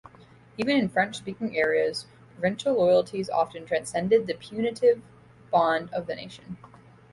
Even in French-speaking areas provincial loyalties often transcended the putative bond of the nation.